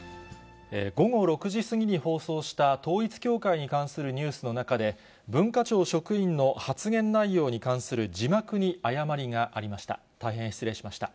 午後６時過ぎに放送した統一教会に関するニュースの中で、文化庁職員の発言内容に関する字幕に誤りがありました。